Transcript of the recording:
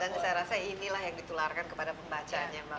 dan saya rasa inilah yang ditularkan kepada pembacaannya